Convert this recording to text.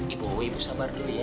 ibu ibu sabar dulu ya